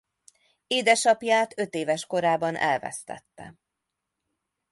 Édesapját ötéves korában elvesztette.